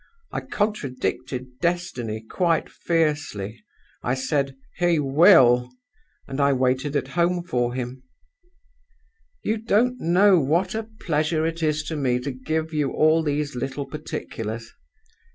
I contradicted Destiny quite fiercely. I said, 'He will!' and I waited at home for him. "You don't know what a pleasure it is to me to give you all these little particulars.